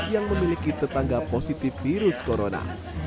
yang memiliki tetangga positif virus corona